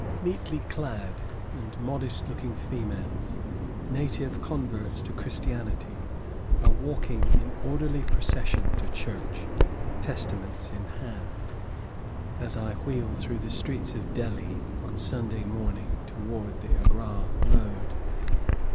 Neatly clad and modest looking females, native converts to Christianity, are walking in orderly procession to church, testaments in hand, as I wheel through the streets of Delhi on Sunday morning toward the Agra road.